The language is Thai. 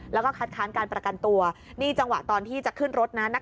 แล้วก็คัดค้านการประกันตัวนี่จังหวะตอนที่จะขึ้นรถนะ